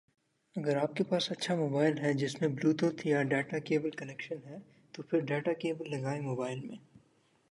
اگر آپ کے پاس اچھا موبائل ہے جس میں بلوٹوتھ یا ڈیٹا کیبل کنیکشن ہے تو پھر ڈیٹا کیبل لگائیں موبائل میں